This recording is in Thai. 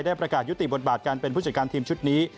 ประกาศยุติบทบาทการเป็นผู้จัดการทีมชุดนี้